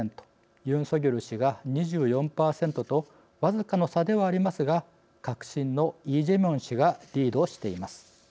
ユン・ソギョル氏が２４％と僅かの差ではありますが革新のイ・ジェミョン氏がリードしています。